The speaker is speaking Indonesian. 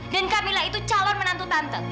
dan kamila itu calon menantu tante